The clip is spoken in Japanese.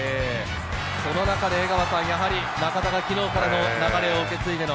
その中で、やはり中田が昨日からの流れを受け継いでの。